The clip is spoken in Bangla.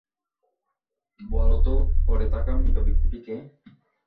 বলো তো পড়ে থাকা মৃত ব্যক্তিটি কে?